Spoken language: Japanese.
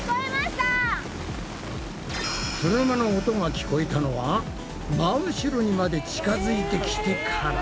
車の音が聞こえたのは真後ろにまで近づいてきてから。